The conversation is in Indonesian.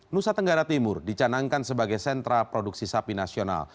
nusa tenggara timur dicanangkan sebagai sentra produksi sapi nasional